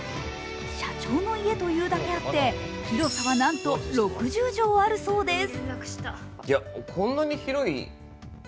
社長の家というだけあって広さはなんと６０畳あるそうです。